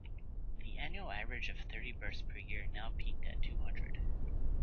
The annual average of thirty births per year now peaked at two hundred.